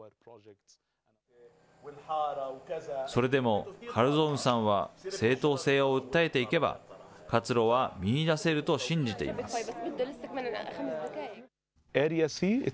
それでもカルゾウンさんは正当性を訴えていけば、活路は見いだせると信じています。